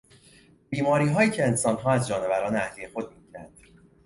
بیماریهایی که انسانها از جانوران اهلی خود میگیرند